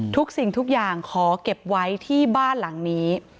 สิ่งทุกอย่างขอเก็บไว้ที่บ้านหลังนี้